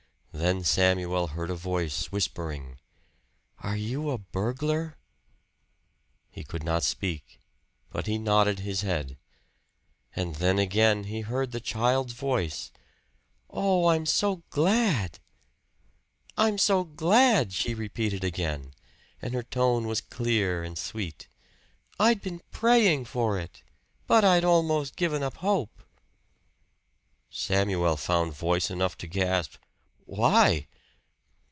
Then Samuel heard a voice whispering: "Are you a burglar?" He could not speak, but he nodded his head. And then again he heard the child's voice: "Oh, I'm so glad!" "I'm so glad!" she repeated again, and her tone was clear and sweet. "I'd been praying for it! But I'd almost given up hope!" Samuel found voice enough to gasp, "Why?"